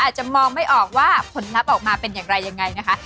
อาจจะมองไม่ออกว่าผลลัพธ์ออกมาเป็นอย่างไรยังไงนะคะ